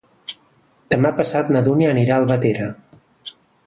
Demà passat na Dúnia anirà a Albatera.